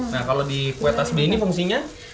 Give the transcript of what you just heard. nah kalau di kue tasbih ini fungsinya